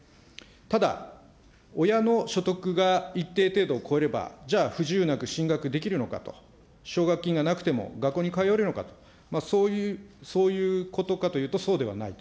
ただ、親の所得が一定程度超えれば、じゃあ、不自由なく進学できるのかと、奨学金がなくても学校に通えるのかと、そういうことかというと、そうではないと。